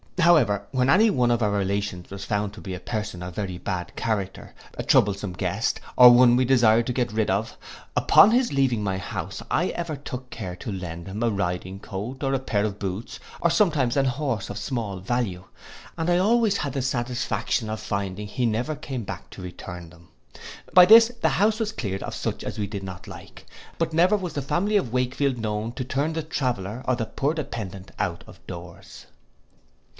However, when any one of our relations was found to be a person of very bad character, a troublesome guest, or one we desired to get rid of, upon his leaving my house, I ever took care to lend him a riding coat, or a pair of boots, or sometimes an horse of small value, and I always had the satisfaction of finding he never came back to return them. By this the house was cleared of such as we did not like; but never was the family of Wakefield known to turn the traveller or the poor dependent out of doors.